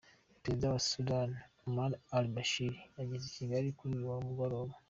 Perezida wa Sudani, Omar al-Bashir yageze i Kigali kuri uyu mugoroba.